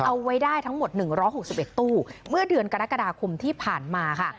เอาไว้ได้ทั้งหมด๑๖๑ตู้เมื่อเดือนกรกฎาคมที่ผ่านมาค่ะ